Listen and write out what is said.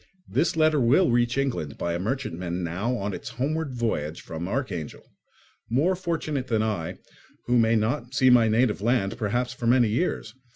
This letter will reach England by a merchantman now on its homeward voyage from Archangel; more fortunate than I, who may not see my native land, perhaps, for many years.